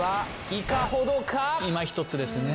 いまひとつですね。